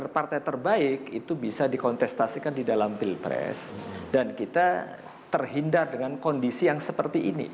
karena partai terbaik itu bisa dikontestasikan di dalam pilpres dan kita terhindar dengan kondisi yang seperti ini